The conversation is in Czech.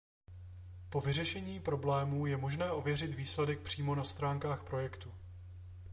Po vyřešení problému je možné ověřit výsledek přímo na stránkách projektu.